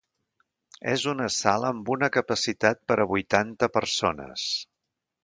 És una sala amb una capacitat per a vuitanta persones.